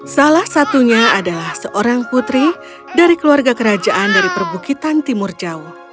salah satunya adalah seorang putri dari keluarga kerajaan dari perbukitan timur jauh